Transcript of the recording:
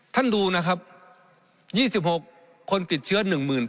ท่านดูนะครับ๒๖คนติดเชื้อ๑๘๐